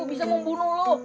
bisa membunuh lo